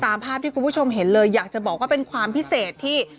ตามภาพที่คุณผู้ชมเห็นเลยอยากจะบอกว่าเป็นความพิเศษที่